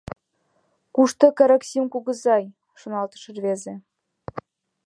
«Кушто Карасим кугызай?» — шоналтыш рвезе.